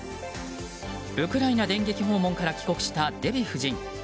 ウクライナ電撃訪問から帰国したデヴィ夫人。